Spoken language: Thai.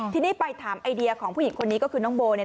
ทีนี้ไปถามไอเดียของผู้หญิงคนนี้ก็คือน้องโบเนี่ย